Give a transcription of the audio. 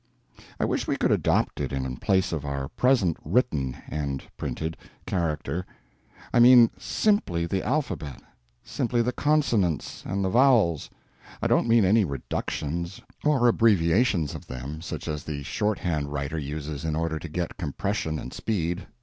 I wish we could adopt it in place of our present written (and printed) character. I mean _simply _the alphabet; simply the consonants and the vowels—I don't mean any _reductions _or abbreviations of them, such as the shorthand writer uses in order to get compression and speed.